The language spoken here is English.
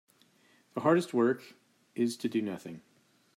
The hardest work is to do nothing.